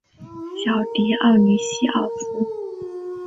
小狄奥尼西奥斯。